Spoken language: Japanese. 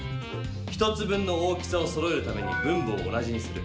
１つ分の大きさをそろえるために分母を同じにする。